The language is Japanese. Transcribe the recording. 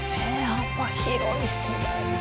幅広い世代が。